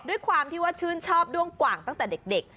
ด้วยความที่ว่าชื่นชอบด้วงกว่างตั้งแต่เด็ก